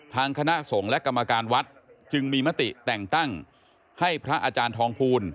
คณะสงฆ์และกรรมการวัดจึงมีมติแต่งตั้งให้พระอาจารย์ทองภูล